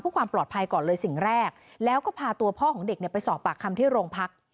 เพื่อความปลอดภัยก่อนเลยสิ่งแรกแล้วก็พาตัวพ่อของเด็กเนี่ยไปสอบปากคำที่โรงพัก